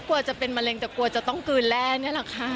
กลัวจะเป็นมะเร็งแต่กลัวจะต้องกลืนแร่นี่แหละค่ะ